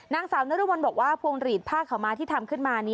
นางสาวนรมนบอกว่าพวงหลีดผ้าขาวม้าที่ทำขึ้นมา